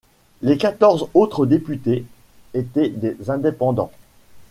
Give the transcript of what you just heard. Les quatorze autres députés étaient des indépendants.